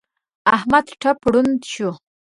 احمد ټپ ړوند شو.